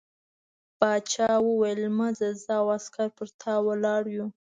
باچا وویل مه ځه زه او عسکر پر تا ولاړ یو.